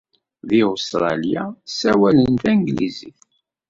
Deg Ustṛalya, ssawalen tanglizit.